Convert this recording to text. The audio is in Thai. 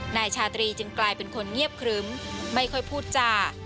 นายชาตรีจึงกลายเป็นคนเงียบครึ้มไม่ค่อยพูดจา